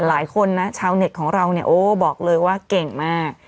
หลายคนนะชาวเน็ตของเราเนี่ยโอ้บอกเลยว่าเก่งมาก